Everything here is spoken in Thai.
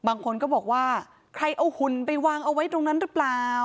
บางคนก็บอกว่าใครเอาหุ่นไปวางเอาไว้ตรงนั้นหรือเปล่า